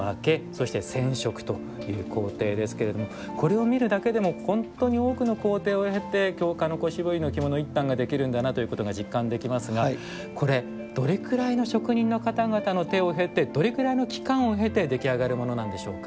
これを見るだけでも本当に多くの工程を経て京鹿の子絞りの着物１反ができるんだなということが実感できますがこれどれくらいの職人の方々の手を経てどれくらいの期間を経て出来上がるものなんでしょうか。